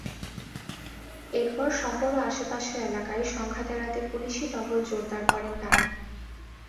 এরপর শহর ও আশপাশের এলাকায় সংঘাত এড়াতে পুলিশি টহল জোরদার করেন তাঁরা।